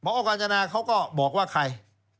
พอกาญจนาเขาก็บอกว่าใคร